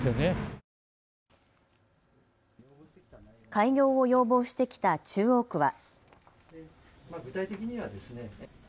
開業を要望してきた中央区は。